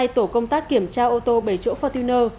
hai tổ công tác kiểm tra ô tô bảy chỗ fortuner